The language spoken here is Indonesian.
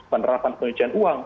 penerapan penuncukan uang